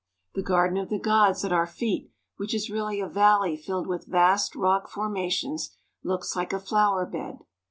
The Garden of the Gods at our feet, which is really a valley filled with vast rock formations, looks like a flower bed.